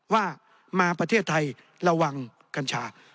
ว่ามาประเทศไทยระวังกัญชา